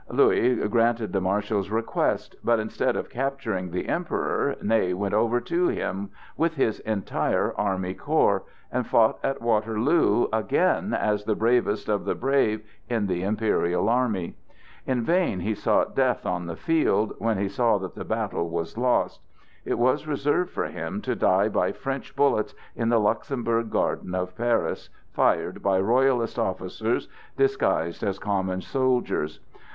Louis granted the Marshal's request, but instead of capturing the Emperor, Ney went over to him with his entire army corps and fought at Waterloo again as the "bravest of the brave" in the imperial army. In vain he sought death on the field, when he saw that the battle was lost; it was reserved for him to die by French bullets in the Luxembourg garden of Paris, fired by royalist officers, disguised as common soldiers.